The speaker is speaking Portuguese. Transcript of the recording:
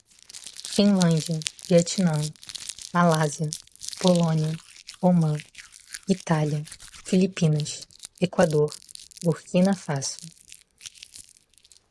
Finlândia, Vietnam, Malásia, Polônia, Omã, Itália, Filipinas, Equador, Burquina Fasso